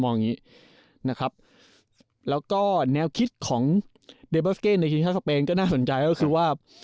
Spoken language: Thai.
อย่างงี้นะครับแล้วก็แนวคิดของเดเบอร์สเก้ในทีมชาติสเปนก็น่าสนใจก็คือว่า